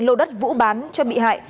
lô đất vũ bán cho bị hại